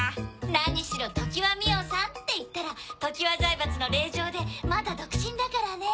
何しろ常磐美緒さんっていったら常磐財閥の令嬢でまだ独身だからね。